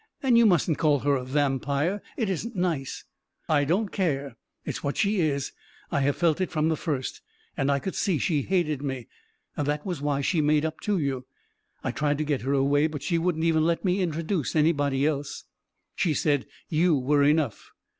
"And you mustn't call her a vampire — it isn't nice." " I don't care I It's what she is — I have felt it from the first! And I could see she hated me. That was why she made up to you. I tried to get her away, but she wouldn't even let me introduce anybody else — she said you were enough.